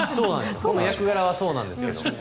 役柄はそうなんですけど。